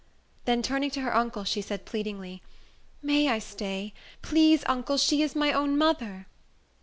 Then, turning to her uncle, she said, pleadingly, "May I stay? Please, uncle! She is my own mother."